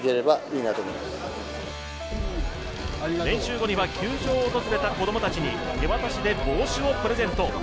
練習後には球場を訪れた子供たちに手渡しで帽子をプレゼント。